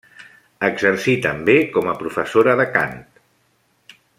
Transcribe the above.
Exercí també com a professora de cant.